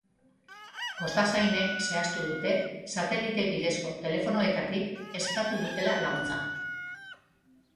Kostazainek zehaztu dute satelite bidezko telefonoetatik eskatu dutela laguntza.